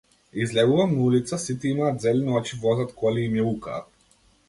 Излегувам на улица, сите имаат зелени очи, возат коли и мјаукаат.